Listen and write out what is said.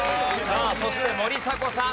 さあそして森迫さん。